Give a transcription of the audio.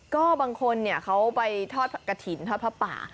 ก็บางคนเขาไปทอดกระถิ่นทอดผ้าป่า